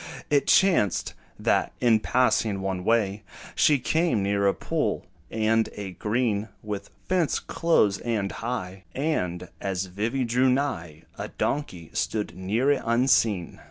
It chanced, that, in passing one way, She came near a pool, and a green With fence close and high; And, as Vivy drew nigh, A donkey stood near it unseen.